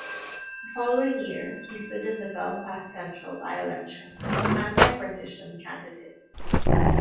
The following year, he stood in the Belfast Central by-election as an "Anti-Partition" candidate.